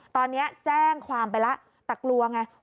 ตอนนี้แจ้งความไปแล้วแต่กลัวไง